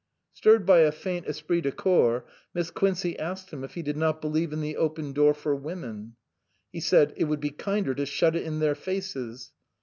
Stirred by a faint esprit de corps Miss Quincey asked him if he did not believe in the open door for women ? He said, "It would be kinder to shut it in their faces."